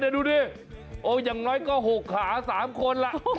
นี่ดูดิอย่างน้อยก็หกขาสามคนละ